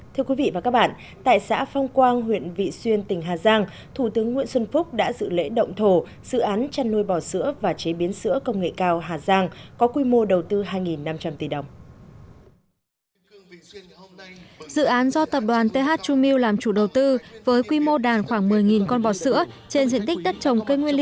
thưa quý vị và các bạn tại xã phong quang huyện vị xuyên tỉnh hà giang thủ tướng nguyễn xuân phúc đã dự lễ động thổ dự án chăn nuôi bò sữa và chế biến sữa công nghệ cao hà giang có quy mô đầu tư hai năm trăm linh tỷ đồng